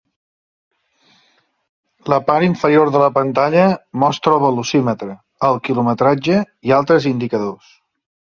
La part inferior de la pantalla mostra el velocímetre, el quilometratge i altres indicadors.